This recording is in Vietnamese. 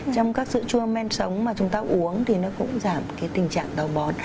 trong các sữa chua men sống mà chúng ta uống thì nó cũng giảm tình trạng tàu bón